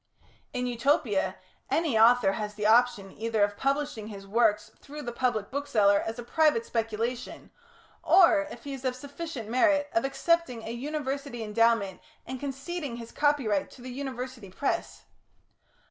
In Utopia, any author has the option either of publishing his works through the public bookseller as a private speculation, or, if he is of sufficient merit, of accepting a University endowment and conceding his copyright to the University press.